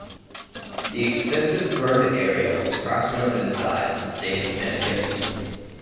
The extensive burned area was approximately the size of the state of Connecticut.